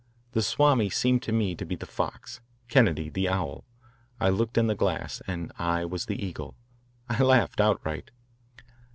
The Swami seemed to me to be the fox, Kennedy the owl. I looked in the glass, and I was the eagle. I laughed outright.